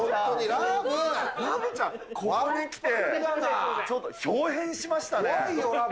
ラブちゃん、ここにきてちょっと豹変しましたね。